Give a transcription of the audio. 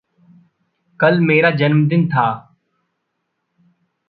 कल मेरा जन्मदिन था।